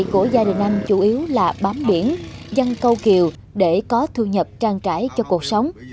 của gia đình anh chủ yếu là bám biển dân câu kiều để có thu nhập trang trải cho cuộc sống